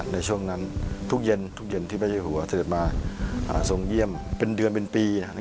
ในช่วงนั้นทุกเย็นทุกเย็นที่พระเจ้าหัวเสด็จมาทรงเยี่ยมเป็นเดือนเป็นปี